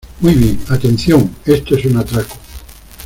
¡ Muy bien, atención , esto es un atraco!